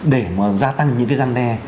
để mà gia tăng những cái răn đe